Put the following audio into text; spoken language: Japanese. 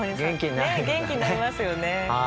ねっ元気になりますよね。